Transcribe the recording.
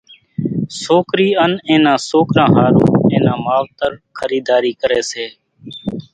سوڪرِي ان اين نان سوڪران ۿارُو اين نان ماوتر خريڌارِي ڪري سي